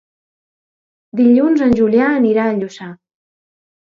Dilluns en Julià anirà a Lluçà.